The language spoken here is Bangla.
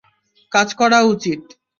কাজ করা উচিত।